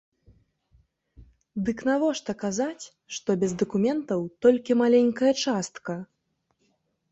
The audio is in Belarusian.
Дык навошта казаць, што без дакументаў толькі маленькая частка?